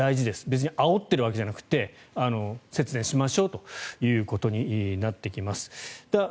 別にあおってるわけじゃなくて節電しましょうということになってきます。